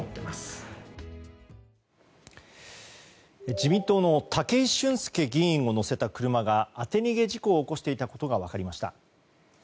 自民党の武井俊輔議員を乗せた車が当て逃げ事故を起こしていたことが分かりました。